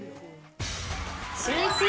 シューイチ！